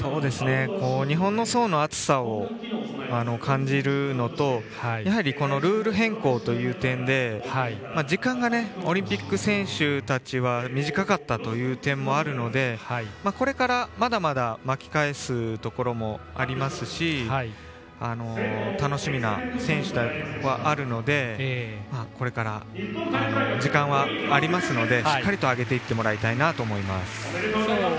日本の層の厚さを感じるのとやはりルール変更という点で時間がオリンピック選手たちは短かったという点もあるのでこれからまだまだ巻き返すところもありますし楽しみな選手ではあるのでこれから、時間はありますのでしっかりと上げていってもらいたいなと思います。